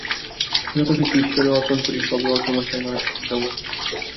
যত কিছু গুণ ঈশ্বরে অর্পণ করি, সবই অল্পমাত্রায় মানুষে বিদ্যমান।